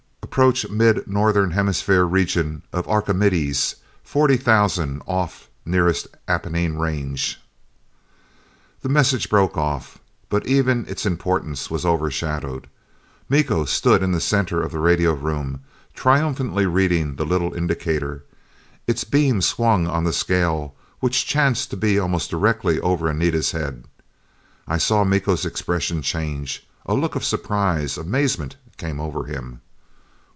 Approach Mid Northern Hemisphere region of Archimedes, forty thousand off nearest Apennine range." The message broke off. But even its importance was overshadowed. Miko stood in the center of the radio room, triumphantly reading the little indicator. Its beam swung on the scale, which chanced to be almost directly over Anita's head. I saw Miko's expression change.... A look of surprise, amazement, came over him.